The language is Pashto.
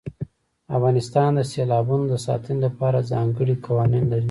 افغانستان د سیلابونو د ساتنې لپاره ځانګړي قوانین لري.